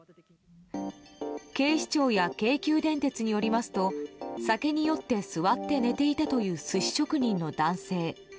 警視庁や京急電鉄によりますと酒に酔って座って寝ていたという寿司職人の男性。